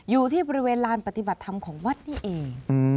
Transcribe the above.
อยู่ที่บริเวณลานปฏิบัติธรรมของวัดนี่เอง